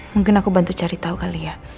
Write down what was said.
mungkin aku bantu cari tahu kali ya